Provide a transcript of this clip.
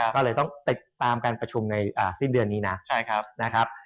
ก็เลยต้องติดตามการประชุมในสิ้นเดือนนี้นะนะครับ